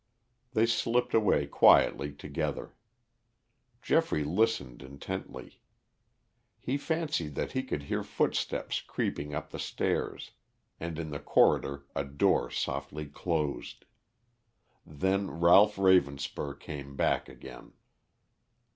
They slipped away quietly together. Geoffrey listened intently. He fancied that he could hear footsteps creeping up the stairs, and in the corridor a door softly closed. Then Ralph Ravenspur came back again.